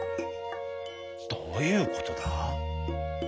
「どういうことだ？